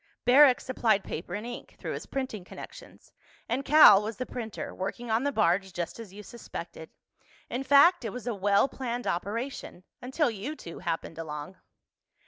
Barrack supplied paper and ink, through his printing connections. And Cal was the printer, working on the barge, just as you suspected. In fact, it was a well planned operation—until you two happened along."